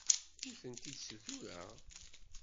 Ur tent-id-ssutureɣ.